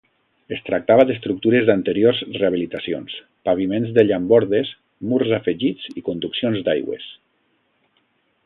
Es tractava d’estructures d'anteriors rehabilitacions: paviments de llambordes, murs afegits i conduccions d'aigües.